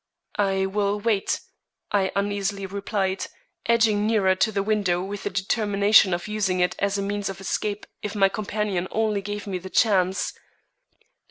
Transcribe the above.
"I will wait," I uneasily replied, edging nearer to the window with the determination of using it as a means of escape if my companion only gave me the chance.